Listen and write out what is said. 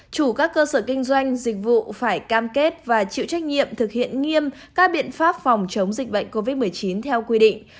chủ các cơ sở kinh doanh dịch vụ phải cam kết và chịu trách nhiệm thực hiện nghiêm các biện pháp phòng chống dịch bệnh covid một mươi chín theo quy định